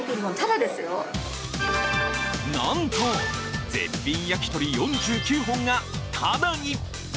なんと、絶品焼き鳥４９本がタダに。